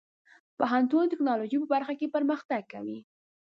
پوهنتون د ټیکنالوژۍ په برخه کې پرمختګ کوي.